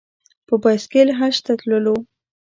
په بایسکل حج ته تللو.